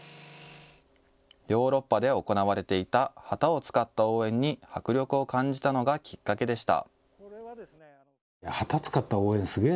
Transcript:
ヨーロッパで行われていた旗を使った応援に迫力を感じたのがきっかけでした。